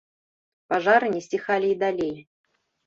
Пажары не сціхалі і далей.